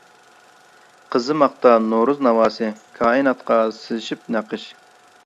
قىزىماقتا نورۇز ناۋاسى، كائىناتقا سىزىشىپ نەقىش.